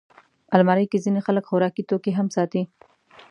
الماري کې ځینې خلک خوراکي توکي هم ساتي